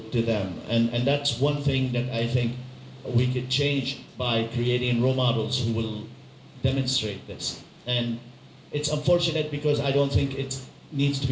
แต่มันมีความรู้สึกว่ามีการเปลี่ยนแปลงชีวิต